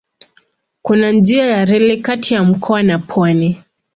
Kuna njia ya reli kati ya mkoa na pwani.